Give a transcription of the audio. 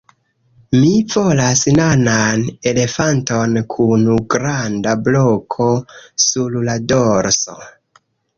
Mi volas nanan elefanton kun granda bloko sur la dorso